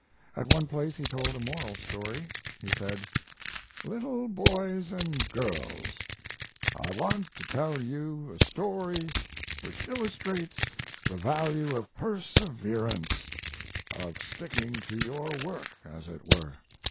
At one place he told a moral story. He said: Little boys and girls, I want to tell you a story which illustrates the value of perseverance of sticking to your work, as it were.